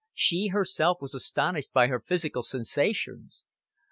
She herself was astonished by her physical sensations.